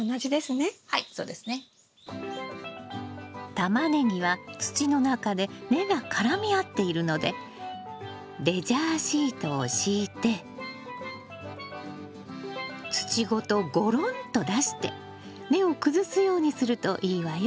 タマネギは土の中で根が絡み合っているのでレジャーシートを敷いて土ごとゴロンと出して根を崩すようにするといいわよ。